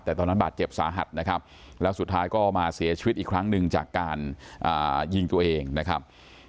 แต่ตอนนั้นบาดเจ็บสาหัสนะครับแล้วสุดท้ายก็มาเสียชีวิตอีกครั้งหนึ่งจากการยิงตัวเองนะครับ